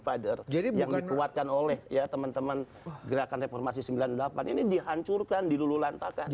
father jadi bukan kuatkan oleh ya teman teman gerakan reformasi sembilan puluh delapan ini dihancurkan dilululantakan